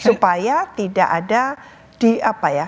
supaya tidak ada di apa ya